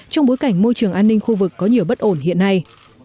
trong bối cảnh môi trường an ninh khu vực có nhiều bất ổn hiện nay